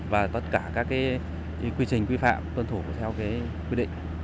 và tất cả các quy trình quy phạm tuân thủ theo quy định